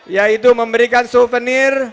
yaitu memberikan souvenir